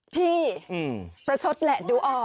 พี่ประชดแหละดูออก